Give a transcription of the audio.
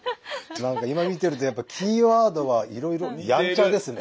何か今見てるとやっぱキーワードはいろいろ「やんちゃ」ですね。